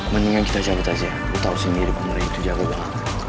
mendingan kita jaga jaga tau sendiri kamu ray itu jaga banget